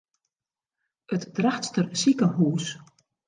It Drachtster sikehûs.